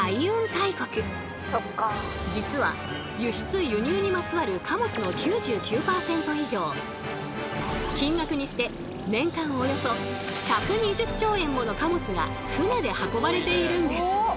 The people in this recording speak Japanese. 実は輸出・輸入にまつわる金額にして年間およそ１２０兆円もの貨物が船で運ばれているんです。